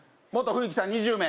冬樹さん２０名？